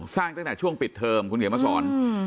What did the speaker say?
ตั้งแต่ช่วงปิดเทอมคุณเขียนมาสอน